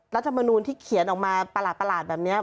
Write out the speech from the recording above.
รัฐมนูลที่เขียนออกมาประหลาดแบบนี้